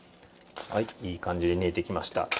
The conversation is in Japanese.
はいいい感じで煮えてきました。